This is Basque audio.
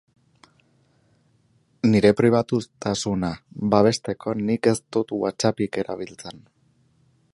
Nire pribatutasuna babesteko nik ez dut WhatsAppik erabiltzen.